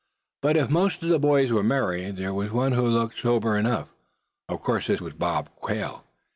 But if most of the boys were merry, there was one who looked sober enough. Of course this was Bob Quail.